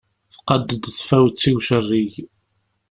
Tqadd-d tfawet i ucerrig.